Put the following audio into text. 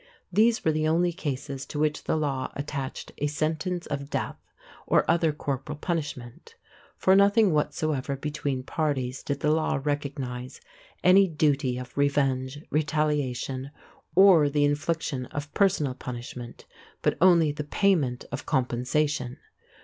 These were the only cases to which the law attached a sentence of death or other corporal punishment. For nothing whatsoever between parties did the law recognize any duty of revenge, retaliation, or the infliction of personal punishment, but only the payment of compensation.